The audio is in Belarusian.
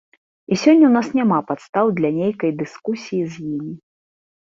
І сёння ў нас няма падстаў для нейкай дыскусіі з ім.